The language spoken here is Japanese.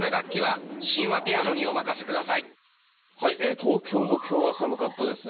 東京もきょうは寒かったですね。